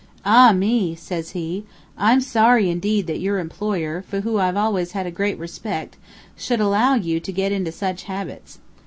'Ah me!' says he, 'I'm sorry indeed that your employer, for who I've always had a great respect, should allow you to get into such habits.'